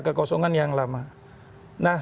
kekosongan yang lama nah